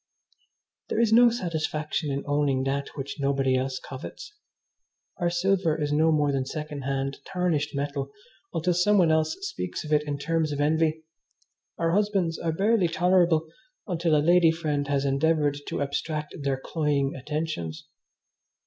There is no satisfaction in owning that which nobody else covets. Our silver is no more than second hand, tarnished metal until some one else speaks of it in terms of envy. Our husbands are barely tolerable until a lady friend has endeavoured to abstract their cloying attentions.